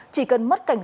chỉ cần mất cảnh sát